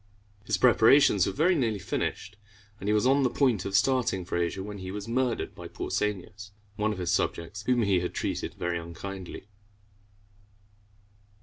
His preparations were nearly finished, and he was on the point of starting for Asia, when he was murdered by Pausanias, one of his subjects, whom he had treated very unkindly.